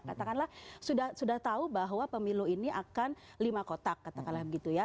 katakanlah sudah tahu bahwa pemilu ini akan lima kotak katakanlah begitu ya